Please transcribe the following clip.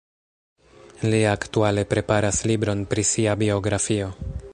Li aktuale preparas libron pri sia biografio.